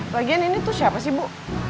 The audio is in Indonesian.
bagian ini tuh siapa sih bu